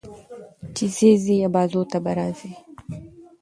چې ځې ځې ابازو ته به راځې